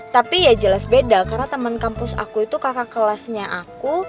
tapi ya jelas beda karena teman kampus aku itu kakak kelasnya aku